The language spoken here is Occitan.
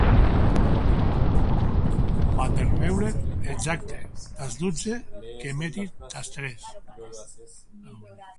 Van der Meulen, exacte, tàs dotze, que mentís tàs tres.